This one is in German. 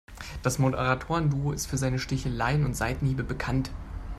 Das Moderatoren-Duo ist für seine Sticheleien und Seitenhiebe bekannt.